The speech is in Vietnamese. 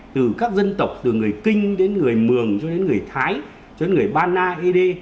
từ các dân tộc từ người kinh đến người mường cho đến người thái cho đến người ba na y đê